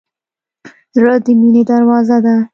زړه د مینې دروازه ده.